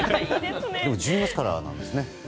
でも１０月からなんですね。